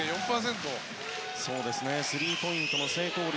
スリーポイントの成功率